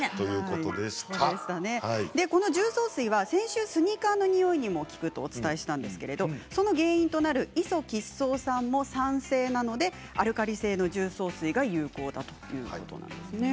重曹水は先週スニーカーのニオイにも効くとお伝えしたんですがそのニオイの原因となるイソ吉草酸も酸性なのでアルカリ性の重曹水が有効だということなんですね。